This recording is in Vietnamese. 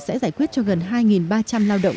sẽ giải quyết cho gần hai ba trăm linh lao động